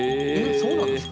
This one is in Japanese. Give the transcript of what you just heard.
そうなんですか。